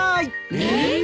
えっ？